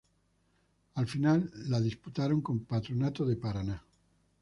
La final la disputaron con Patronato de Paraná.